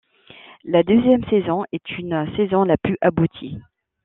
La deuxième saison est une saison la plus aboutie.